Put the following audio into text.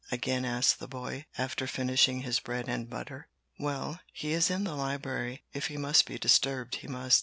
again asked the boy, after finishing his bread and butter. "Well, he is in the library; if he must be disturbed, he must.